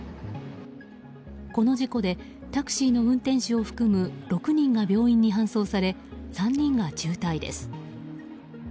この事故でタクシーの運転手を含む６人が病院に搬送され３人が重体です。